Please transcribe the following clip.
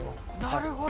なるほど。